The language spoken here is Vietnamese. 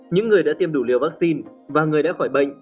những người đã tiêm đủ liều vắc xin và người đã khỏi bệnh